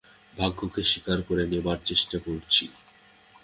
ভাগ্যকে স্বীকার করে নেবার চেষ্টা করছি।